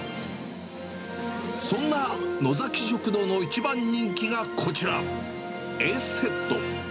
そんなのざき食堂の一番人気がこちら、Ａセット。